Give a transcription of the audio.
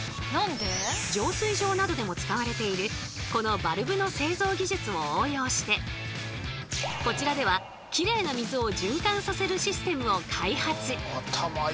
浄水場などでも使われているこのバルブの製造技術を応用してこちらではきれいな水を循環させるシステムを開発。